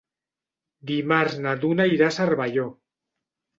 Dimarts na Duna irà a Cervelló.